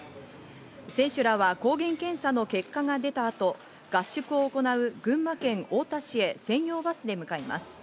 選手らは抗原検査の結果が出たあと、合宿を行う群馬県太田市へ専用バスで向かいます。